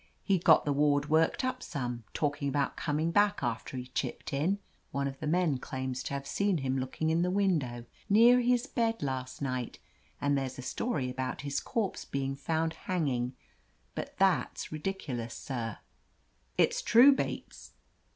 "He'd got the ward worked up some — ^talking about coming back after he'd chipped in. One of the men claims to have seen him looking in the window near his bed last night, and there's a story about his corpse being found hanging— but that's ridicu lous, sir." "It's true. Bates."